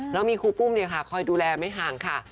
แล้วมีครูปุ้มคอยดูแลไม่ห่างค่ะ